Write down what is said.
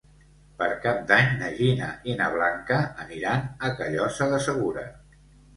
Per Cap d'Any na Gina i na Blanca aniran a Callosa de Segura.